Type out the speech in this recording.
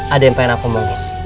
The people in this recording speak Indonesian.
ada yang pengen aku mau